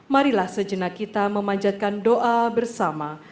marilah sejenak kita memanjatkan doa bersama